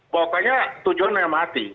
pokoknya tujuannya mati